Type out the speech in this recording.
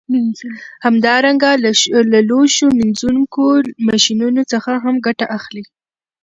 همدارنګه له لوښو مینځونکو ماشینونو څخه هم ګټه اخلي